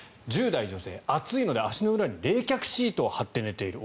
１０代女性暑いので足の裏に冷却シートを貼って寝ている。